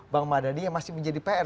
bang madani yang masih menjadi pr